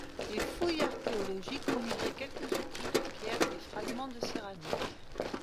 Les fouilles archéologiques ont livré quelques outils de pierres et des fragments de céramique.